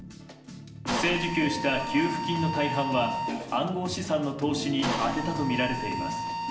不正受給した給付金の大半は暗号資産の投資に充てたとみられています。